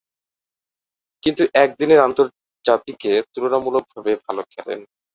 কিন্তু একদিনের আন্তর্জাতিকে তুলনামূলকভাবে ভাল খেলেন।